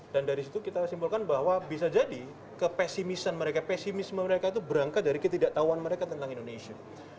dan dari situ kita simpulkan bahwa bisa jadi kepesimisan mereka pesimisme mereka itu berangkat dari ketidaktahuan mereka tentang indonesia